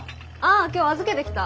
あ今日預けてきた。